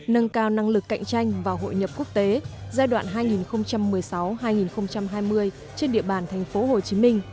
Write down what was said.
nâng cao năng lực cạnh tranh và hội nhập quốc tế giai đoạn hai nghìn một mươi sáu hai nghìn hai mươi trên địa bàn tp hcm